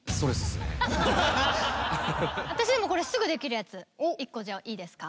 私でもこれすぐできるやつ１個じゃあいいですか？